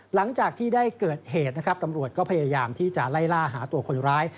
หลังจากที่ได้เกิดเหตุนะครับตำรวจก็พยายามที่จะไล่ล่าหาตัวคนร้าย